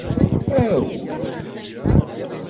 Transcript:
Aw!